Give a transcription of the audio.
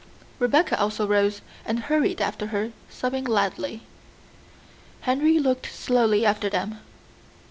Rebecca also rose and hurried after her, sobbing loudly. Henry looked slowly after them.